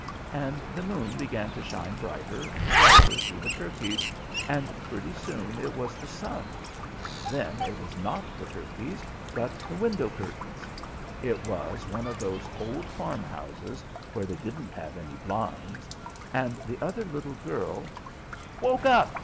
And the moon began to shine brighter and brighter through the turkeys, and pretty soon it was the sun, and then it was not the turkeys, but the window curtains it was one of those old farm houses where they don't have blinds and the other little girl "Woke up!"